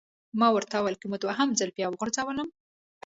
ما ورته وویل: که مو دوهم ځلي بیا وغورځولم!